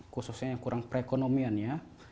khususnya yang kurang pre economian ya